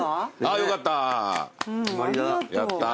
あぁよかった。